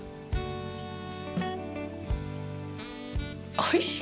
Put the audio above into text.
おいしい！